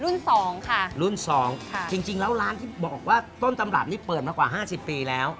สองค่ะรุ่นสองค่ะจริงจริงแล้วร้านที่บอกว่าต้นตำรับนี่เปิดมากว่าห้าสิบปีแล้ว